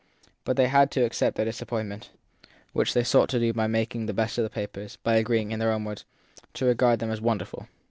But they had to accept their disappointment which they sought to do by making the best of the papers, by agreeing, in other words, to regard them as wonderful.